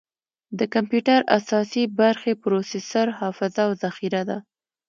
د کمپیوټر اساسي برخې پروسیسر، حافظه، او ذخیره ده.